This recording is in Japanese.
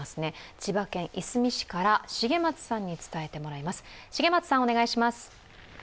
千葉県いすみ市から重松さんに伝えてもらいます。